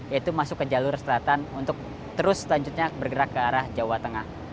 yaitu masuk ke jalur selatan untuk terus selanjutnya bergerak ke arah jawa tengah